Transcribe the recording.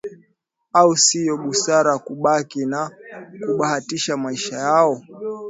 au siyo busara kubakia na kubahatisha maisha yao